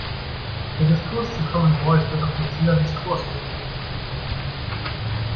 Der Diskurs zu Common Voice wird auf Mozilla Discourse geführt.